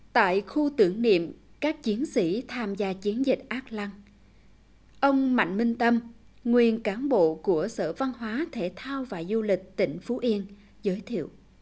tại khu tưởng niệm các chiến sĩ tham gia chiến dịch ác lăng ông mạnh minh tâm nguyên cán bộ của sở văn hóa thể thao và du lịch tỉnh phú yên giới thiệu